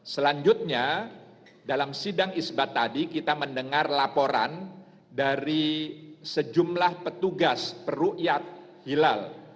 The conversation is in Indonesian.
selanjutnya dalam sidang isbat tadi kita mendengar laporan dari sejumlah petugas perru'yat hilal